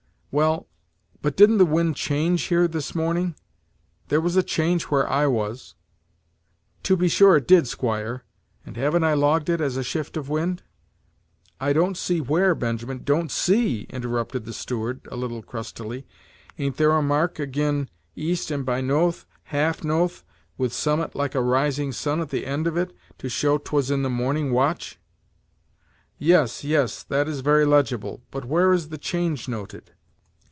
"Well but didn't the wind change here this morning? there was a change where I was." "To be sure it did, squire; and haven't I logged it as a shift of wind?" "I don't see where, Benjamin " "Don't see!" interrupted the steward, a little crustily; "ain't there a mark agin' east and by nothe half nothe, with summat like a rising sun at the end of it, to show 'twas in the morning watch?" "Yes, yes, that is very legible; but where is the change noted?"